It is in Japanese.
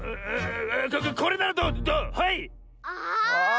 これならどう⁉はい！ああ！